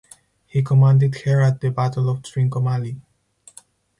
He commanded her at the Battle of Trincomalee.